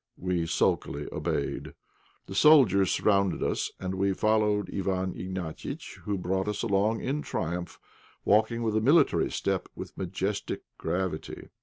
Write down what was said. We sulkily obeyed. The soldiers surrounded us, and we followed Iwán Ignatiitch who brought us along in triumph, walking with a military step, with majestic gravity.